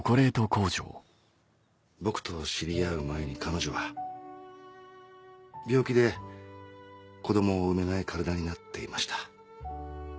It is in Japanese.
僕と知り合う前に彼女は病気で子供を産めない体になっていました。